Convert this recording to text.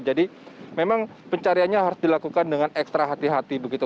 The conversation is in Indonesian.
jadi memang pencariannya harus dilakukan dengan ekstra hati hati begitu